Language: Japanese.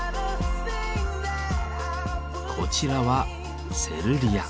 こちらは「セルリア」。